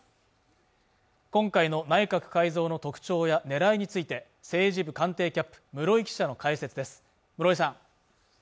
今回の内閣改造の特徴や狙いについて政治部官邸キャップ室井記者の解説です